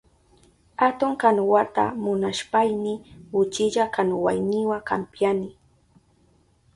Atun kanuwata munashpayni uchilla kanuwayniwa kampyani.